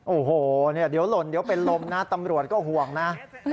โอ้โหเดี๋ยวหล่นเดี๋ยวเป็นลมนะตำรวจก็ห่วงนะ